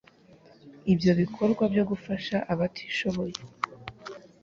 Ibyo bikorwa byo gufasha abatishoboye